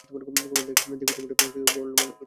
দেবী, তোমার বরমাল্য গেঁথে আনো।